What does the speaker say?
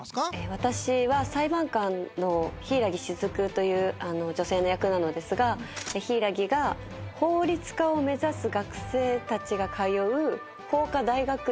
私は裁判官の柊木雫という女性の役なのですが柊木が法律家を目指す学生たちが通う法科大学院